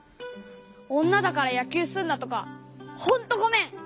おんなだからやきゅうすんなとかほんとごめん！